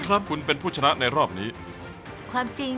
ซุปไก่เมื่อผ่านการต้มก็จะเข้มขึ้น